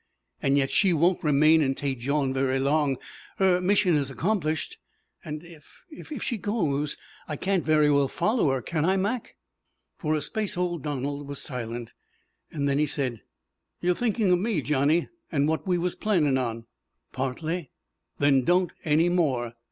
And yet she won't remain in Tête Jaune very long. Her mission is accomplished. And if if she goes I can't very well follow her, can I, Mac?" For a space old Donald was silent. Then he said, "You're thinkin' of me, Johnny, an' what we was planning on?" "Partly." "Then don't any more.